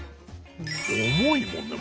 重いもんね。